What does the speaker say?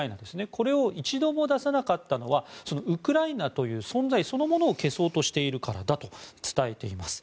これを一度も出さなかったのはウクライナという存在そのものを消そうとしているからだと伝えています。